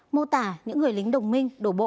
mô tả những người lính đồng minh đổ bộ